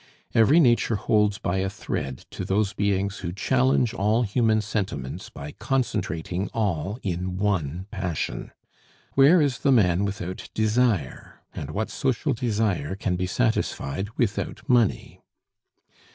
Every nature holds by a thread to those beings who challenge all human sentiments by concentrating all in one passion. Where is the man without desire? and what social desire can be satisfied without money?